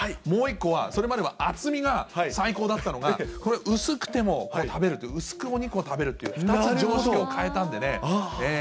もう１個は、それまでは厚みが最高だったのが、薄くても食べると、薄くお肉を食べるっていう、２つ、常識を変えたんでね。